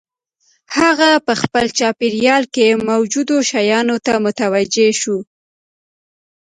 هغه په خپل چاپېريال کې موجودو شيانو ته متوجه شو.